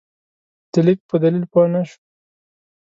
د لیک په دلیل پوه نه شو.